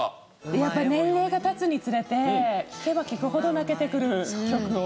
やっぱり年齢が経つにつれて聴けば聴くほど泣けてくる曲を。